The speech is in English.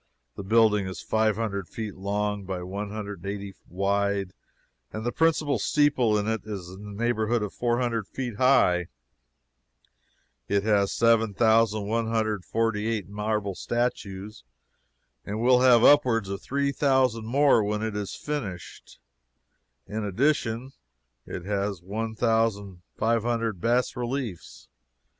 The building is five hundred feet long by one hundred and eighty wide, and the principal steeple is in the neighborhood of four hundred feet high. It has 7,148 marble statues, and will have upwards of three thousand more when it is finished. In addition it has one thousand five hundred bas reliefs.